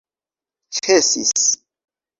ĉesis